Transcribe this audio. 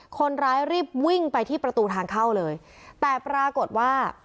คนร้ายรีบวิ่งไปที่ประตูทางเข้าเลยแต่ปรากฏว่า